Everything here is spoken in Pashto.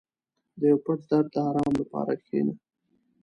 • د یو پټ درد د آرام لپاره کښېنه.